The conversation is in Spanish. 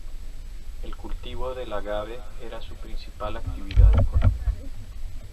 El cultivo del agave era su principal actividad económica.